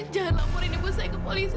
jangan laporin ibu saya ke polisi